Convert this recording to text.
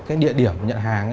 cái địa điểm nhận hàng